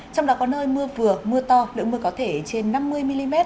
trong đó có nơi mưa vừa mưa to lượng mưa có thể trên năm mươi mm